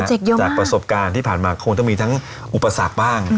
จากประสบการณ์ที่ผ่านมาคงต้องมีทั้งอุปสรรคบ้าง